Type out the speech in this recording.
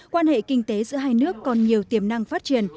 quan hệ kinh tế giữa hai nước còn nhiều tiềm năng phát triển